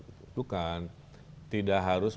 itu kan tidak harus